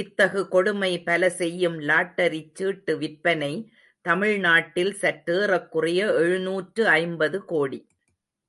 இத்தகு கொடுமை பல செய்யும் லாட்டரிச் சீட்டு விற்பனை தமிழ்நாட்டில் சற்றேறக்குறைய எழுநூற்று ஐம்பது கோடி.